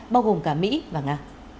bao gồm cả mỹ và nga